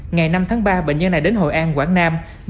ngày năm tháng ba bệnh nhân này đến hội an quảng nam